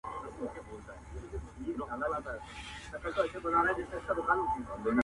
هر سړي ویل په عامه هم په زړه کي؛